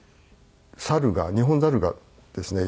猿がニホンザルがですね